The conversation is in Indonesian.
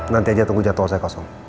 nanti aja tunggu jadwal saya kosong